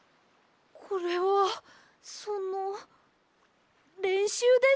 これはそのれんしゅうです。